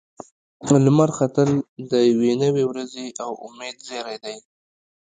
لمر ختل د یوې نوې ورځې او امید زیری دی.